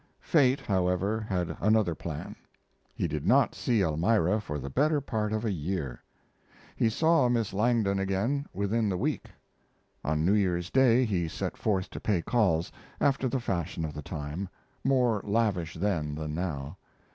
Fate, however, had another plan. He did not see Elmira for the better part of a year. He saw Miss Langdon again within the week. On New Year's Day he set forth to pay calls, after the fashion of the time more lavish then than now.